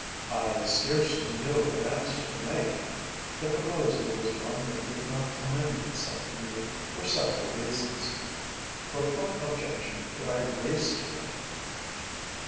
I scarcely knew what answer to make. The proposal was one that did not commend itself to me for several reasons. But what objection could I raise to it?